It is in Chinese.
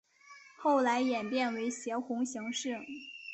后来演变为斜红型式。